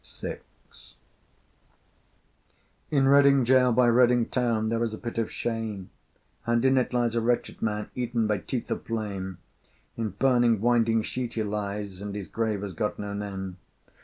VI. In Reading gaol by Reading town There is a pit of shame, And in it lies a wretched man Eaten by teeth of flame, In burning winding sheet he lies, And his grave has got no name.